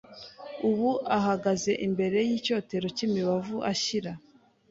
Ubu ahagaze imbere y'icyotero cy'imibavu ashyira